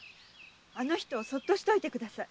あの人をそっとしておいてください。